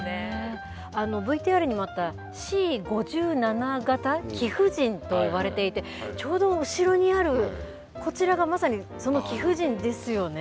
ＶＴＲにもあったＣ５７形貴婦人と呼ばれていてちょうど後ろにあるこちらがまさにその貴婦人ですよね。